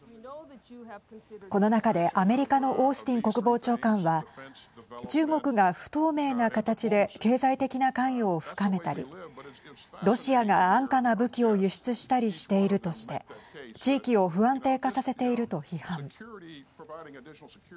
この中で、アメリカのオースティン国防長官は中国が不透明な形で経済的な関与を深めたりロシアが安価な武器を輸出したりしているとして地域を不安定化させていると批判。